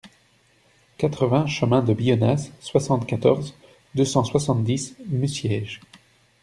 quatre-vingts chemin de Bionnaz, soixante-quatorze, deux cent soixante-dix, Musièges